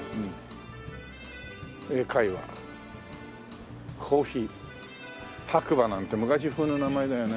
「英会話」「ＣＯＦＦＥＥ」「白馬」なんて昔風の名前だよね。